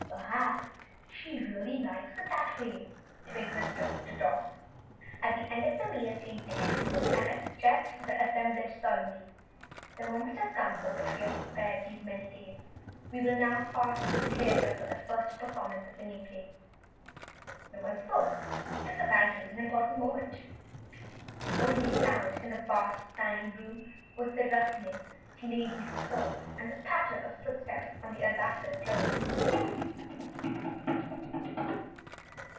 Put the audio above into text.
"Perhaps she really likes it that way," Twink whispered to Tom. At the end of the meal, King Ticket rose and addressed the assemblage solemnly: "The moment has come for which we have prepared these many days. We will now pass into the theater for the first performance of the new play." No one spoke. This, apparently was an important moment. The only sound in the vast dining room was the rustling of the ladies' skirts and the patter of footsteps on the alabaster floor.